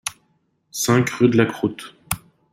cinq rue de la Croûte